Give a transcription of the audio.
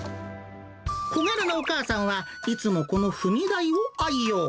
小柄なお母さんは、いつもこの踏み台を愛用。